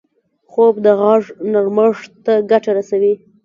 خوب د غږ نرمښت ته ګټه رسوي